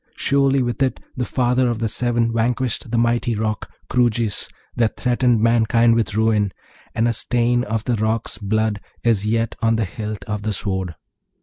Surely, with it the father of the Seven vanquished the mighty Roc, Kroojis, that threatened mankind with ruin, and a stain of the Roc's blood is yet on the hilt of the sword.